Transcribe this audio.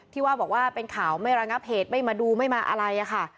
ที่ว่าบอกว่าเป็นข่าวไม่ระงับเหตุไม่มาดูไม่มาอะไรค่ะ